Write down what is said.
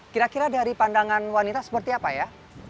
kira kira dari pandangan wanita seperti apa ya